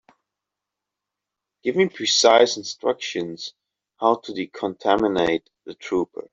Give me precise instructions how to decontaminate the trooper.